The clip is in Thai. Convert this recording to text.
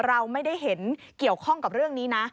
เราไม่ได้เห็นเกี่ยวข้องกับเรื่องนี้นะ